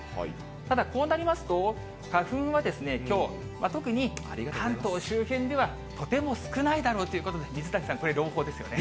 ただこうなりますと、花粉はですね、きょう、特に関東周辺では、とても少ないだろうということで、水谷さん、これ、朗報ですよね。